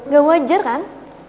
gak wajar kan